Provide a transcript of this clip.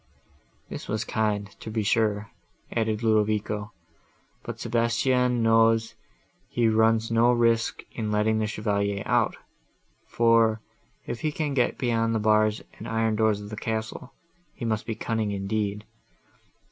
"This was kind, to be sure," added Ludovico: "but Sebastian knows he runs no risk in letting the Chevalier out, for, if he can get beyond the bars and iron doors of the castle, he must be cunning indeed.